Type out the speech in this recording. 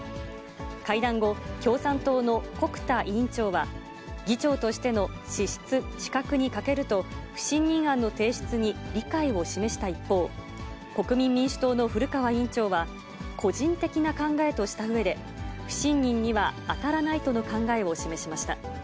会談後、共産党の穀田委員長は、議長としての資質・資格に欠けると、不信任案の提出に理解を示した一方、国民民主党の古川委員長は、個人的な考えとしたうえで、不信任には当たらないとの考えを示しました。